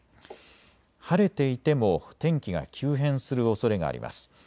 晴れていても天気が急変するおそれがあります。